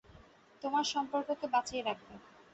তোমার সম্পর্ককে বাঁচিয়ে রাখবে।